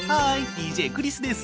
ＤＪクリスです。